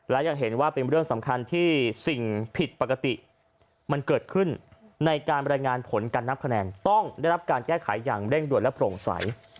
และยังเห็นว่าเป็นเรื่องสำคัญที่สิ่งผิดปกติมันเกิดขึ้นในการบรรยายงานผลการนับคะแนนต้องได้รับการแก้ไขอย่างเร่งด่วนและโปร่งใส